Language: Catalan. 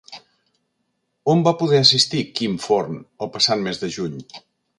On va poder assistir Quim Forn el passat mes de juny?